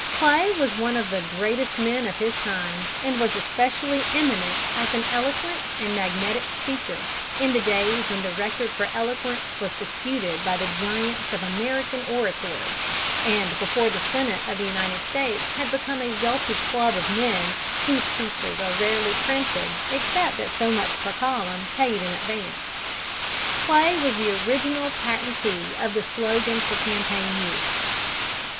Clay was one of the greatest men of his time, and was especially eminent as an eloquent and magnetic speaker in the days when the record for eloquence was disputed by the giants of American oratory, and before the Senate of the United States had become a wealthy club of men whose speeches are rarely printed except at so much per column, paid in advance. Clay was the original patentee of the slogan for campaign use.